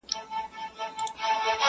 شعر ماښامی یو څو روپۍ او سګرټ ,